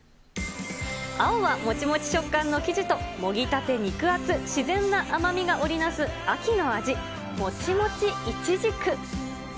青はもちもち食感の生地ともぎたて肉厚、自然な甘みが織り成す秋の味、もちもちいちじく。